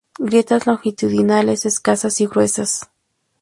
Grietas longitudinales escasas y gruesas.